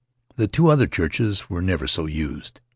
The two other churches were never so used.